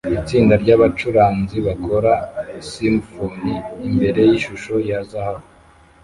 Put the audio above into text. Itsinda ryabacuranzi bakora simfoni imbere yishusho ya zahabu